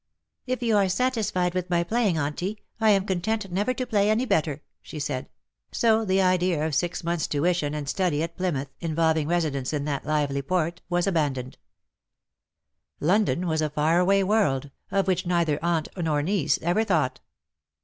^^ If you are satisfied with my playing. Auntie, THE DAYS THAT ARE NO MORE. JO I am content never to play any better/^ she said ; so the idea of six months^ tuition and study at Plymouth, involving residence in that lively port, was abandoned. London was a far away world, of which neither aunt nor niece ever thought.